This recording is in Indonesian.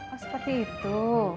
oh seperti itu